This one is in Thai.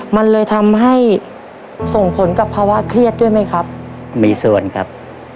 มันเลยทำให้ส่งผลกับภาวะเครียดด้วยไหมครับมีส่วนครับ